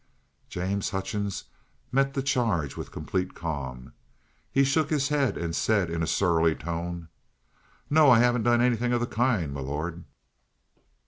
James Hutchings met the charge with complete calm. He shook his head and said in a surly tone: "No; I haven't done anything of the kind, m'lord."